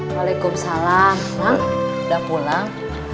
waalaikumsalam bang udah pulang